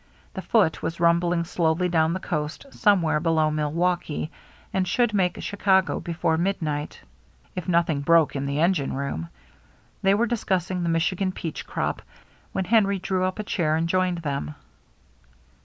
The Foote was rumbling slowly down the coast somewhere below Milwaukee, and should make Chicago before midnight if nothing broke in the engine room. They were discussing the Michigan peach crop when Henry drew up a chair and joined them.